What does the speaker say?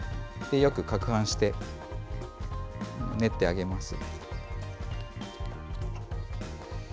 よくかくはんして練ってあげます。